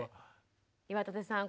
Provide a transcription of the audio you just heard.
岩立さん